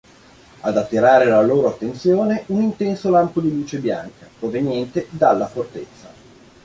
Ad attirare la loro attenzione un intenso lampo di luce bianca proveniente dalla fortezza.